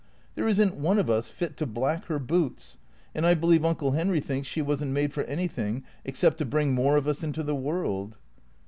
There is n't one of us fit to black her boots. And I believe Uncle Henry thinks she was n't made for anything except to bring more of us into the world."